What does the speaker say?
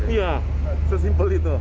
iya sesimpel itu